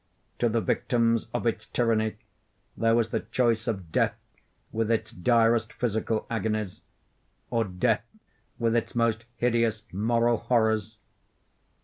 To the victims of its tyranny, there was the choice of death with its direst physical agonies, or death with its most hideous moral horrors.